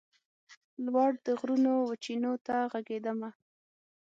لوړ د غرونو وچېنو ته ږغېدمه